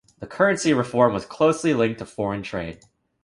The currency reform was closely linked to foreign trade.